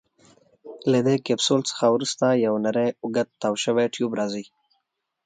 له دې کپسول څخه وروسته یو نیری اوږد تاو شوی ټیوب راځي.